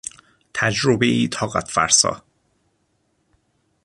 تجربهای طاقت فرسا